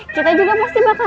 kita juga pasti bakal datang